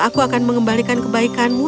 aku akan mengembalikan kebaikanmu